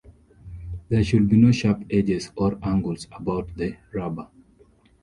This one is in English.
There should be no sharp edges or angles about the rubber.